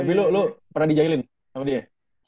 tapi lu pernah di jahilin sama dia ya